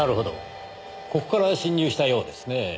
ここから侵入したようですねぇ。